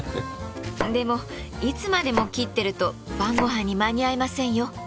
でもいつまでも切ってると晩ごはんに間に合いませんよ。